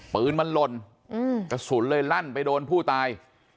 ปืนมันหล่นกระสุนเลยลั่นไปโดนผู้ตาย